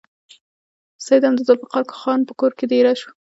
سید هم د ذوالفقار خان په کور کې دېره شو.